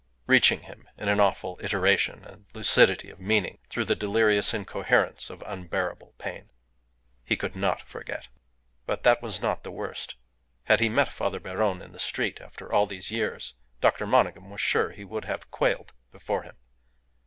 reaching him in an awful iteration and lucidity of meaning through the delirious incoherence of unbearable pain. He could not forget. But that was not the worst. Had he met Father Beron in the street after all these years Dr. Monygham was sure he would have quailed before him.